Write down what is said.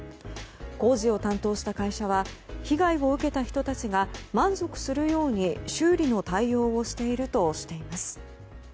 工事を担当した会社は被害を受けた人たちが満足するように修理の対応をしているとしています。